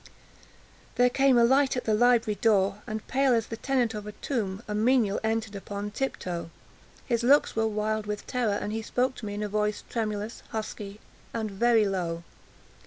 There came a light tap at the library door—and, pale as the tenant of a tomb, a menial entered upon tiptoe. His looks were wild with terror, and he spoke to me in a voice tremulous, husky, and very low.